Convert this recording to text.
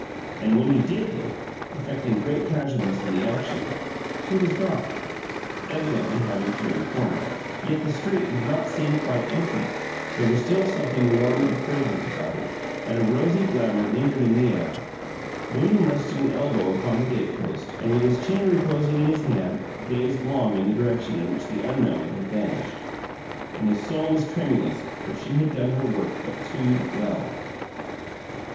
And when he did look, affecting great casualness in the action, she was gone, evidently having turned the corner. Yet the street did not seem quite empty; there was still something warm and fragrant about it, and a rosy glamor lingered in the air. William rested an elbow upon the gate post, and with his chin reposing in his hand gazed long in the direction in which the unknown had vanished. And his soul was tremulous, for she had done her work but too well.